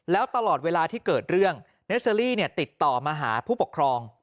แล้วตลอดเวลาที่เกิดเรื่องเนสเตอรี่ติดต่อมาหาผู้ปกครอง